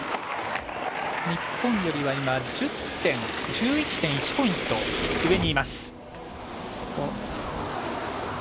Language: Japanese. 日本よりは今１１．１ポイント、上にいます。